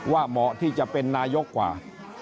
เหมาะที่จะเป็นนายกกว่า